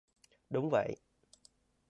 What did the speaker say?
Đúng vậy